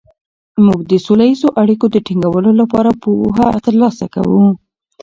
موږ د سوله ییزو اړیکو د ټینګولو لپاره پوهه ترلاسه کوو.